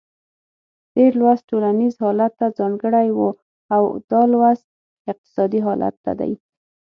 تېر لوست ټولنیز حالت ته ځانګړی و او دا لوست اقتصادي حالت ته دی.